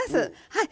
はい。